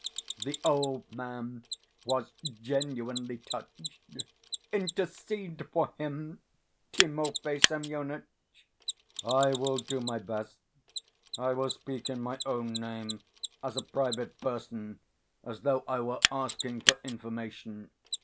The old man was genuinely touched. "Intercede for him, Timofey Semyonitch!" "I will do my best. I will speak in my own name, as a private person, as though I were asking for information.